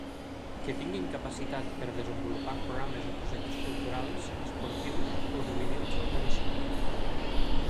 Que tinguin capacitat per desenvolupar programes o projectes culturals, esportius o juvenils al municipi.